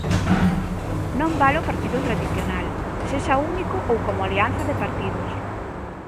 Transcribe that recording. Non vale o partido tradicional, sexa único ou como alianza de partidos.